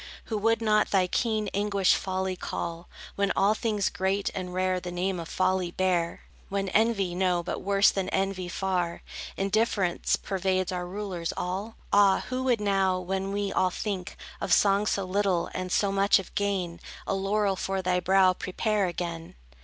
Who would not thy keen anguish folly call, When all things great and rare the name of folly bear? When envy, no, but worse than envy, far, Indifference pervades our rulers all? Ah, who would now, when we all think Of song so little, and so much of gain, A laurel for thy brow prepare again?